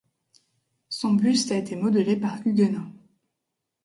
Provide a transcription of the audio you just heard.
Son buste a été modelé par Huguenin.